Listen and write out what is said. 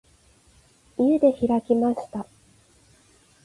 家で開きました。